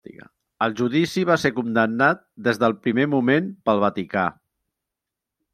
El judici va ser condemnat des del primer moment pel Vaticà.